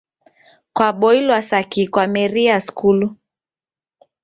Kwaboilwa saki kwameria skulu?